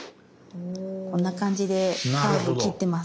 こんな感じでカーブを切ってます。